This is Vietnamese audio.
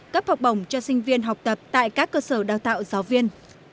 cấp học bổng cho sinh viên học tập tại các cơ sở đào tạo giáo viên